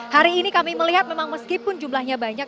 hari ini kami melihat memang meskipun jumlahnya banyak